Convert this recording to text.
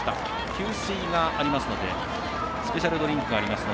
給水がありますのでスペシャルドリンクがあります。